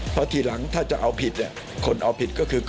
พอติดลังถ้าจะเอาผิดคนเอาผิดก็คือกรกฏอ